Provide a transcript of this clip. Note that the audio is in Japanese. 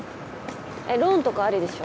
ローンとかアリでしょ？